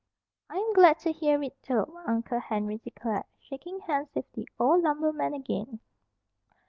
"I'm glad to hear it, Tobe," Uncle Henry declared, shaking hands with the old lumberman again.